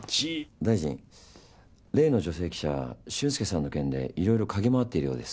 大臣例の女性記者俊介さんの件でいろいろかぎ回っているようです。